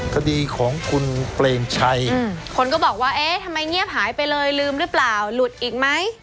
คดีของคุณเปรมชัยคนก็บอกว่าเอ๊ะทำไมเงียบหายไปเลยลืมหรือเปล่าหลุดอีกไหม